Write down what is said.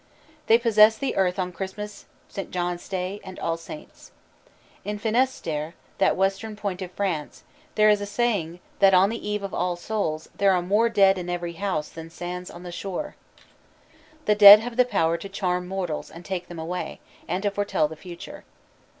They possess the earth on Christmas, St. John's Day, and All Saints'. In Finistère, that western point of France, there is a saying that on the Eve of All Souls' "there are more dead in every house than sands on the shore." The dead have the power to charm mortals and take them away, and to foretell the future.